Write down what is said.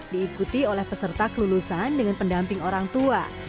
diikuti oleh peserta kelulusan dengan pendamping orang tua